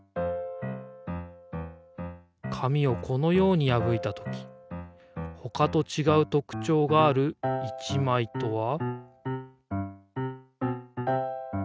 紙をこのようにやぶいた時他とちがう特徴がある１枚とは？